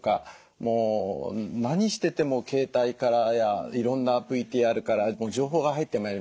もう何してても携帯からやいろんなＶＴＲから情報が入ってまいりますでしょ。